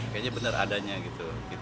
kayaknya benar adanya gitu